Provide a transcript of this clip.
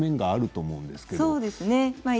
そうですね。